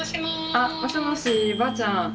あもしもしばあちゃん。